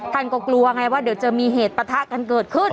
กลัวไงว่าเดี๋ยวจะมีเหตุประทะกันเกิดขึ้น